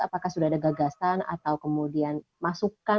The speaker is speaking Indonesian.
apakah sudah ada gagasan atau kemudian masukan